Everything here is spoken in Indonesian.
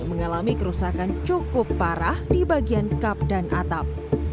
mengalami kerusakan cukup parah di bagian kap dan atap